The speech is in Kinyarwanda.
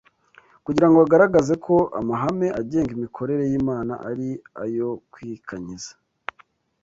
kugira ngo agaragaze ko amahame agenga imikorere y’Imana ari ayo kwikanyiza